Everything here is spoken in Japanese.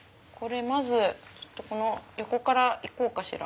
まず横から行こうかしら。